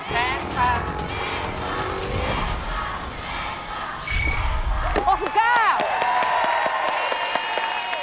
แพงขวา